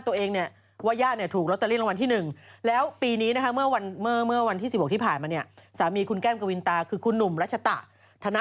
ถูกรวงวันที่หนึ่ง